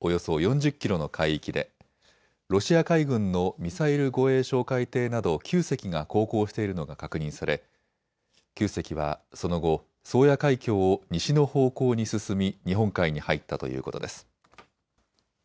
およそ４０キロの海域でロシア海軍のミサイル護衛哨戒艇など９隻が航行しているのが確認され９隻はその後、宗谷海峡を西の方向に進み日本海に入ったということです。